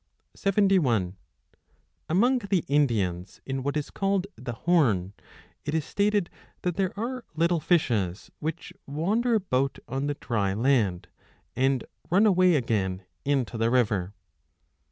5 Among the Indians, in what is called the Horn, it is 7 1 stated that there are little fishes, which wander about on the dry land, and run away again into the river.